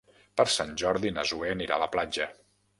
Per Sant Jordi na Zoè anirà a la platja.